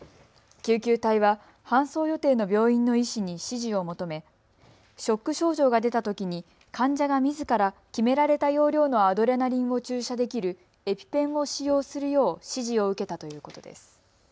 救急隊は搬送予定の病院の医師に指示を求めショック症状が出たときに患者がみずから、決められた用量のアドレナリンを注射できるエピペンを使用するよう指示を受けたということです。